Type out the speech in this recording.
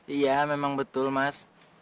iya memang betul mas